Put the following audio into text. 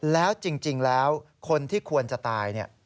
แล้วจริงแล้วคนที่ควรจะตายเนี่ย